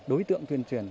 đối tượng tuyên truyền